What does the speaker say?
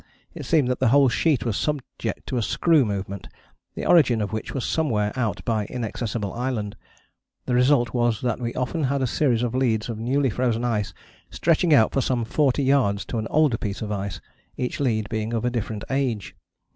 It seemed that the whole sheet was subject to a screw movement, the origin of which was somewhere out by Inaccessible Island. The result was that we often had a series of leads of newly frozen ice stretching out for some forty yards to an older piece of ice, each lead being of a different age.